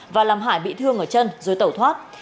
và làm hải bị thương ở chân rồi tẩu thoát